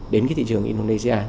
đến cái thị trường indonesia